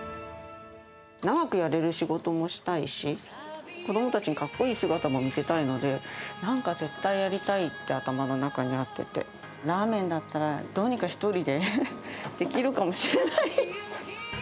長くやれる仕事をしたいし、子どもたちにかっこいい姿も見せたいので、なんか絶対やりたいって頭の中にあってて、ラーメンだったら、どうにか１人でできるかもしれない。